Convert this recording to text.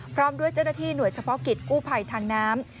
พร้อมด้วยเจ้าหน้าที่หน่วยเฉพาะกิจกู้ภัยทางน้ำ